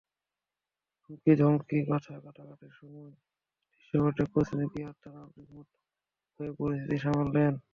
হুমকি-ধমকি, কথা-কাটাকাটির সময়ই দৃশ্যপটে কোচ মিকি আর্থার আবির্ভূত হয়ে পরিস্থিতি সামাল দেন।